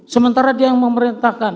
sementara dia yang memerintahkan